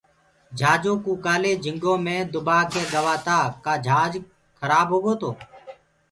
جھاجو ڪوُ ڪآلي جھنگو مينٚ دُبآ ڪيِ گوآ تآ ڪآ جھاج ڏِريآريهِرو تو